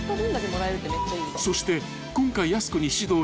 ［そして今回］